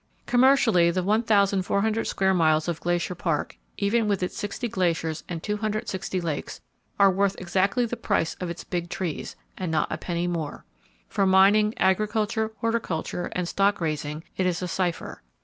Commercially, the 1,400 square miles of Glacier Park, even with its 60 glaciers and 260 lakes, are worth exactly the price of its big trees, and not a penny more. For mining, agriculture, horticulture and stock raising, it is a cipher.